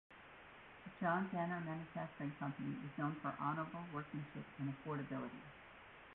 The John Danner Manufacturing Company was known for honorable workmanship and affordability.